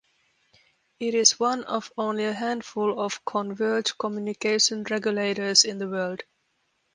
It is one of only a handful of converged communications regulators in the world.